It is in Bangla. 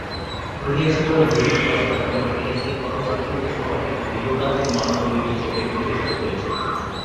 ঐতিহাসিকভাবে ব্রিটিশ ভারতের অভ্যন্তরে এটি ছিল প্রথম পরিকল্পিত শহর, এটি দীর্ঘকাল থেকেই মহানগরী হিসাবে বিকশিত হয়েছে।